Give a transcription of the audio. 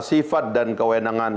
sifat dan kewenangan